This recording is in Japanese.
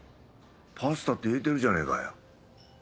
「パスタ」って言えてるじゃねえかよ。